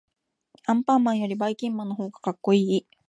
アンパンマンよりばいきんまんのほうがかっこいい。